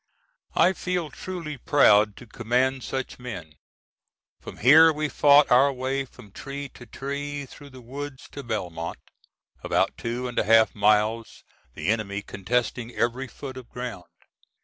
I feel truly proud to command such men. From here we fought our way from tree to tree through the woods to Belmont, about two and a half miles, the enemy contesting every foot of ground.